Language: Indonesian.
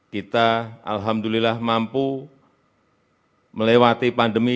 kita alhamdulillah mampu melewati pandemi